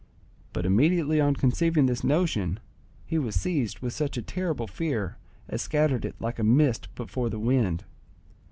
But immediately on conceiving this notion, he was seized with such a terrible fear as scattered it like a mist before the wind.